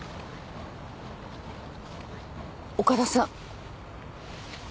岡田さん。